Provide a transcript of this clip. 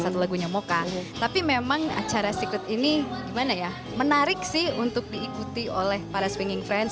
tapi memang acara secret ini menarik sih untuk diikuti oleh para swinging friends